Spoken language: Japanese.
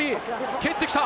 蹴ってきた！